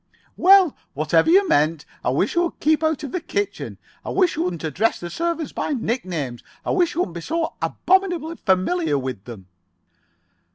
"Well, whatever you meant, I wish you would keep out of the kitchen. I wish you wouldn't address the servants by nicknames. I wish you wouldn't be so abominably familiar with them."